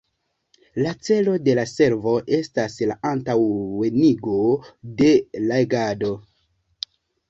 La celo de la servo estas la antaŭenigo de legado.